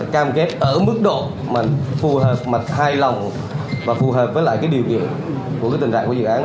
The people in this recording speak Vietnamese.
cam kết ở mức độ mà phù hợp mà thay lòng và phù hợp với lại cái điều kiện của tình trạng của dự án